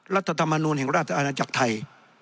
รัฐธรรมนูลแห่งราชอาณาจักรไทย